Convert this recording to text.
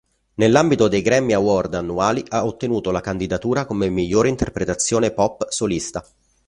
Nell'ambito dei Grammy Award annuali ha ottenuto la candidatura come Miglior interpretazione pop solista.